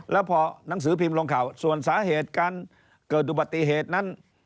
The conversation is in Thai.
แล้วพอหนังสือพิมพ์ลงข่าวส่วนสาเหตุการเกิดอุบัติเหตุนั้น